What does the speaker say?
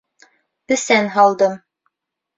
Бесән һалдым.